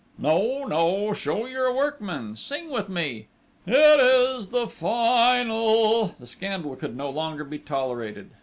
"No! No!... show you're a workman! Sing with me!" "It is the final ..." The scandal could no longer be tolerated!